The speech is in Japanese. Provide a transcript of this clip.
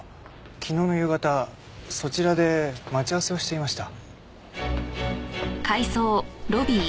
昨日の夕方そちらで待ち合わせをしていました。